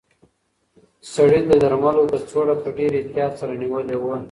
سړي د درملو کڅوړه په ډېر احتیاط سره نیولې وه.